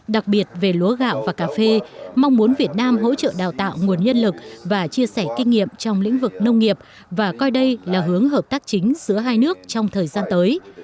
đặc biệt về lúa gạo và cà phê mong muốn việt nam hỗ trợ đào tạo nguồn nhân lực và chia sẻ kinh nghiệm trong lĩnh vực nông nghiệp và coi đây là hướng hợp tác chính giữa hai nước trong thời gian tới